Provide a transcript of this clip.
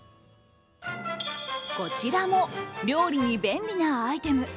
こちらも料理に便利なアイテム。